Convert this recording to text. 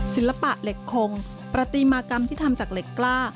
ศิลปะเหล็กคงประติมากรรมที่ทำจากเหล็กกล้า